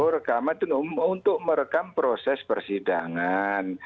rekaman itu untuk merekam proses persidangan